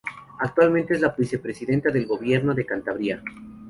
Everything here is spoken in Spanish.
Actualmente es la vicepresidenta del Gobierno de Cantabria.